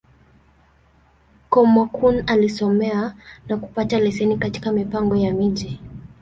Kúmókụn alisomea, na kupata leseni katika Mipango ya Miji.